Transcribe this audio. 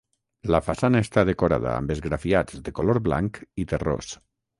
La façana està decorada amb esgrafiats de color blanc i terrós.